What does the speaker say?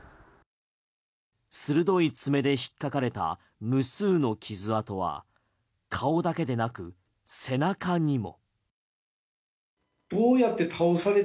鋭い爪で引っかかれた無数の傷跡は顔だけでなく背中にも。